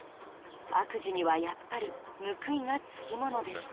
悪事にはやっぱり報いがつきものでした。